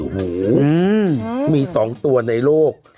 โหมีสองตัวในโลก